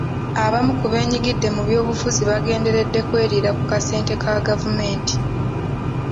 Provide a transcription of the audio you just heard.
Abamu ku beenyigidde mu byobufuzi bagenderedde kweriira ku kasente ka gavumenti.